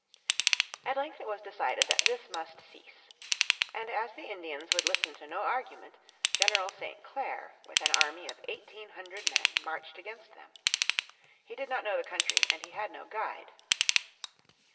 At length it was decided that this must cease. And as the Indians would listen to no argument General St. Clair with an army of eighteen hundred men marched against them. He did not know the country, and he had no guide.